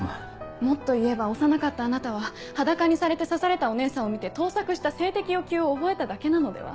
もっと言えば幼かったあなたは裸にされて刺されたお姉さんを見て倒錯した性的欲求を覚えただけなのでは？